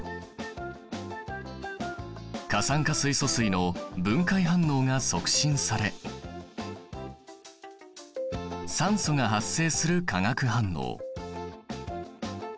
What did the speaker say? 過酸化水素水の分解反応が促進され酸素が発生する化学反応。